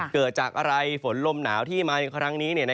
เกิดจากอะไรฝนลมหนาวที่มาในครั้งนี้